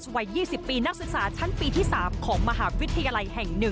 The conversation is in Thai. วัย๒๐ปีนักศึกษาชั้นปีที่๓ของมหาวิทยาลัยแห่ง๑